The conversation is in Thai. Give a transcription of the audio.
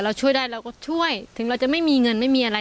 ช่วยได้เราก็ช่วยถึงเราจะไม่มีเงินไม่มีอะไร